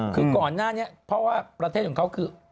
คือก่อนหน้านี้เพราะว่าประเทศของเขาคือ